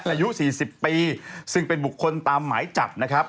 อายุ๔๐ปีซึ่งเป็นบุคคลตามหมายจับนะครับ